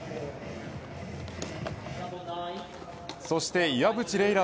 そして岩渕麗